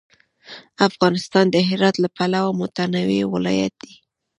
افغانستان د هرات له پلوه متنوع ولایت دی.